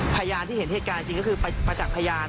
พยานที่เห็นเหตุการณ์จริงก็คือประจักษ์พยาน